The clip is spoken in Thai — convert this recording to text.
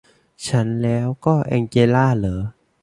ฉันแล้วก็แองเจล่าหรอ